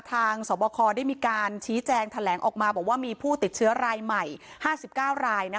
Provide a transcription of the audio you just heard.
ทางสวบคอได้มีการชี้แจงแถลงออกมาบอกว่ามีผู้ติดเชื้อรายใหม่ห้าสิบเก้ารายนะคะ